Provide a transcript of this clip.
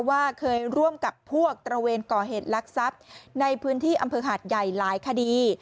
ว่าเคยร่วมกับพวกตระเวนก่อเหตุลักษัพในพื้นที่อำเภอหาดใหญ่หลายคดี